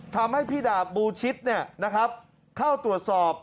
ทำให้พี่ดาบบูชิตเข้าตรวจสอบ